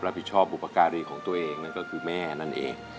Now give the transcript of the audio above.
รับผิดชอบบุปการีของตัวเองนั่นก็คือแม่นั่นเอง